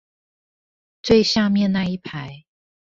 最下面那一排